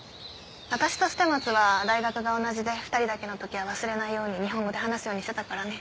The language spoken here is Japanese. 私と捨松は大学が同じで２人だけの時は忘れないように日本語で話すようにしてたからね。